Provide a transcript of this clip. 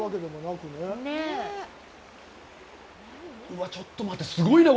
うわ、ちょっと待って、すごいね。